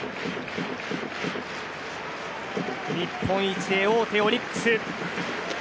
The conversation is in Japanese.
日本一へ王手、オリックス。